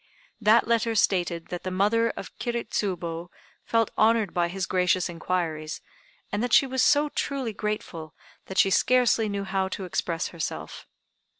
That letter stated that the mother of Kiri Tsubo felt honored by his gracious inquiries, and that she was so truly grateful that she scarcely knew how to express herself.